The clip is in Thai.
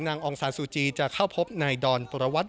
นางองศาลซูจีจะเข้าพบในดอนประวัติ